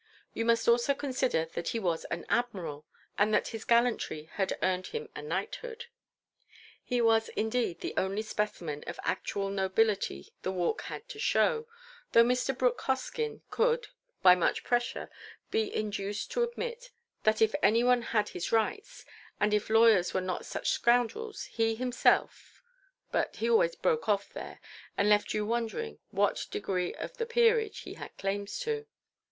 You must also consider that he was an Admiral and that his gallantry had earned him a knighthood. He was, indeed, the only specimen of actual nobility the Walk had to show, though Mr. Brooke Hoskyn could, by much pressure, be induced to admit, that if everyone had his rights and if lawyers were not such scoundrels, he himself—but he always broke off there and left you wondering what degree of the peerage he had claims to.